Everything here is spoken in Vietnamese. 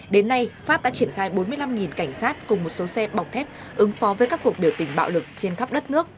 đến nay pháp đã triển khai bốn mươi năm cảnh sát cùng một số xe bọc thép ứng phó với các cuộc biểu tình bạo lực trên khắp đất nước